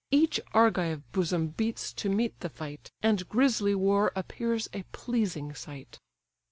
Each Argive bosom beats to meet the fight, And grisly war appears a pleasing sight.